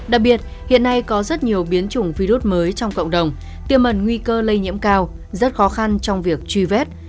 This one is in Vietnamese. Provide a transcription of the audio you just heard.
đặc biệt hiện nay có rất nhiều biến chủng virus mới trong cộng đồng tiêm mần nguy cơ lây nhiễm cao rất khó khăn trong việc truy vết